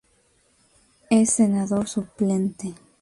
Es senador suplente.